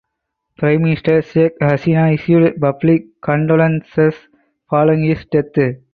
Prime Minister Sheikh Hasina issued public condolences following his death.